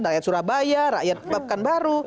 rakyat surabaya rakyat pabkan baru